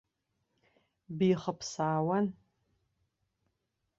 Бихыԥсаауан.